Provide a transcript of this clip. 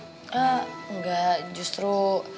eh enggak justru